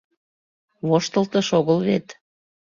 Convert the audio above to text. Воштылтыш огыл вет.